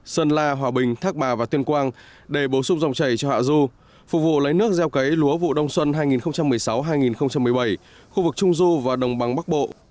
sơn la hòa bình thác bà và tuyên quang để bổ sung dòng chảy cho hạ du phục vụ lấy nước gieo cấy lúa vụ đông xuân hai nghìn một mươi sáu hai nghìn một mươi bảy khu vực trung du và đồng bằng bắc bộ